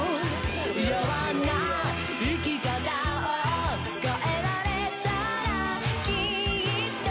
やわな生き方を変えられたらきっと